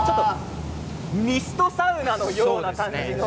ミストサウナのような感じです。